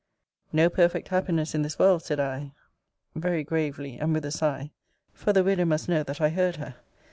No perfect happiness in this world, said I, very gravely, and with a sigh; for the widow must know that I heard her.